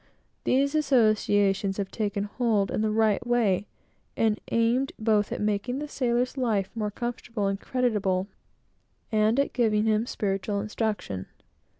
These associations have taken hold in the right way, and aimed both at making the sailor's life more comfortable and creditable, and at giving him spiritual instruction.